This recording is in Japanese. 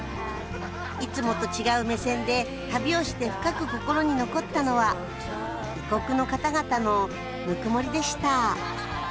いつもと違う目線で旅をして深く心に残ったのは異国の方々のぬくもりでした。